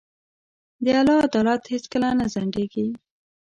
د الله عدالت هیڅکله نه ځنډېږي.